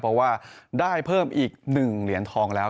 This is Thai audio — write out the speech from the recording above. เพราะว่าได้เพิ่มอีก๑เหรียญทองแล้ว